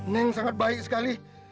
neng sangat baik sekali